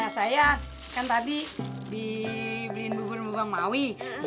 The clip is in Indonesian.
saya kan tadi dibeliin bubur bubur bang mawi